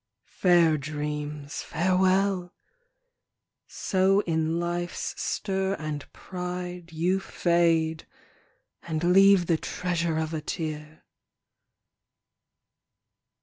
Fair dreams, farewell! So in life's stir and pride You fade, and leave the treasure of a tear!